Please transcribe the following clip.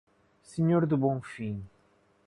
Senhor do Bonfim